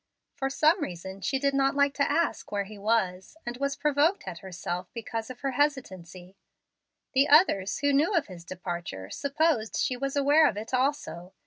For some reason she did not like to ask where he was, and was provoked at herself because of her hesitancy. The others, who knew of his departure, supposed she was aware of it also.